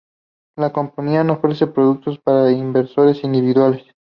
La compañía no ofrece productos para inversores individuales.